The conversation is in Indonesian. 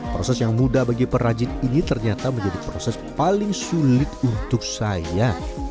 proses yang mudah bagi perajin ini ternyata menjadi proses paling sulit untuk saya